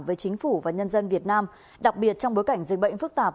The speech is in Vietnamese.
với chính phủ và nhân dân việt nam đặc biệt trong bối cảnh dịch bệnh phức tạp